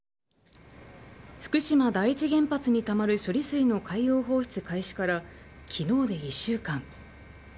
福島第一原発にたまる処理水の海洋放出開始から昨日で１週間。